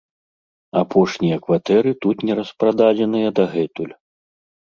Апошнія кватэры тут не распрададзеныя дагэтуль.